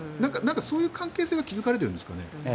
そういう関係性が築かれてるんですかね。